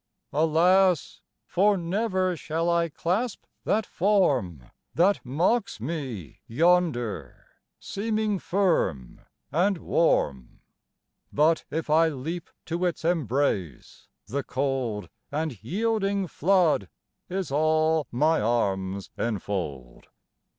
Alas! for never shall I clasp that form That mocks me yonder, seeming firm and warm; But if I leap to its embrace, the cold And yielding flood is all my arms enfold.